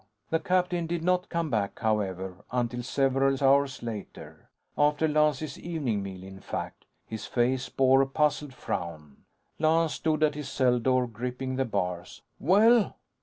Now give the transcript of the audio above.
The captain did not come back, however, until several hours later. After Lance's evening meal, in fact. His face bore a puzzled frown. Lance stood at his cell door, gripping the bars. "Well?"